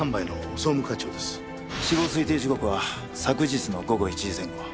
死亡推定時刻は昨日の午後１時前後。